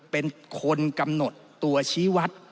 เป็นคนกำหนดตัวชี้วัด